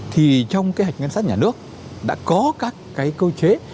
thì trong cái hệ ngân sách nhà nước đã có các cái cơ chế